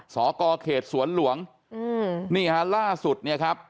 สกเขตสวนหลวงอืมนี่ฮะล่าสุดเนี่ยครับ